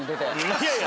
いやいや。